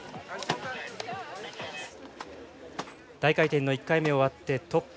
大回転の１回目終わってトップ。